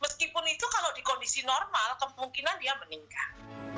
meskipun itu kalau di kondisi normal kemungkinan dia meninggal